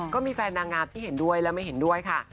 ก็มีแฟนนางงามที่เห็นด้วยและไม่เห็นด้วยค่ะ